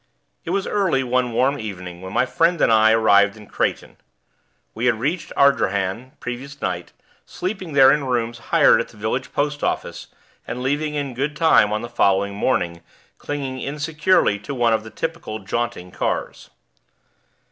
It was early one warm evening when my friend and I arrived in Kraighten. We had reached Ardrahan the previous night, sleeping there in rooms hired at the village post office, and leaving in good time on the following morning, clinging insecurely to one of the typical jaunting cars.